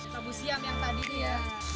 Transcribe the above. labu siam yang tadi nih ya